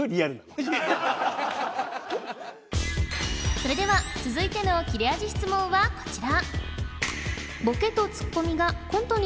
それでは続いての切れ味質問はこちら